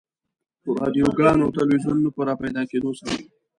رادیوګانو او تلویزیونونو په راپیدا کېدو سره.